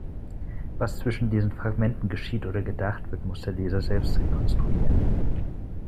Was zwischen diesen Fragmenten geschieht oder gedacht wird, muss der Leser selbst rekonstruieren.